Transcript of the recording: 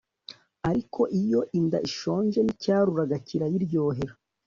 ariko iyo inda ishonje, n'icyaruraga kirayiryohera